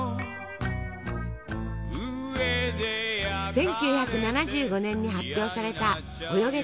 １９７５年に発表された「およげ！